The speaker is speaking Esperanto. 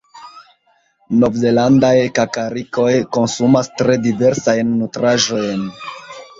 Novzelandaj kakarikoj konsumas tre diversajn nutraĵojn.